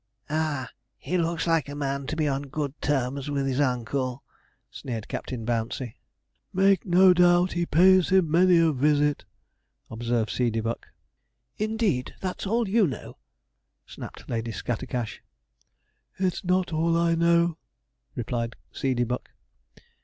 'Ah he looks like a man to be on good terms with his uncle,' sneered Captain Bouncey. 'Make no doubt he pays him many a visit,' observed Seedeybuck. 'Indeed! that's all you know,' snapped Lady Scattercash. 'It's not all I know,' replied Seedeybuck.